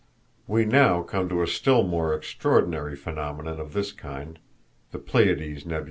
We now come to a still more extraordinary phenomenon of this kind—the Pleiades nebulæ.